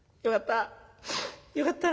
よかった。